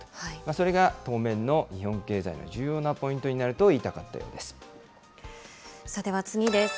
それが当面の日本経済の重要なポイントになると言いたかったようでは、次です。